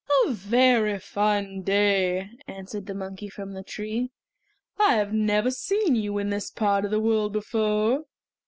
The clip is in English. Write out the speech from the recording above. "A very fine day," answered the monkey from the tree. "I have never seen you in this part of the world before.